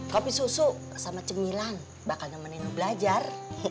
kopi susu sama cemilan bakal nemenin belajar